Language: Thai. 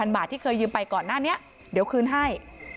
บาทที่เคยยืมไปก่อนหน้านี้เดี๋ยวคืนให้